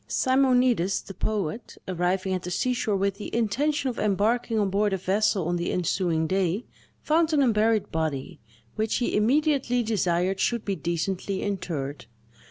Simonides the poet, arriving at the seashore with the intention of embarking on board a vessel on the ensuing day, found an unburied body, which he immediately desired should be decently interred.